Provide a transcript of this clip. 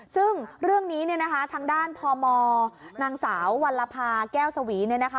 ซึ่งเรื่องนี้เนี่ยนะคะทางด้านพมนางสาววัลภาแก้วสวีเนี่ยนะคะ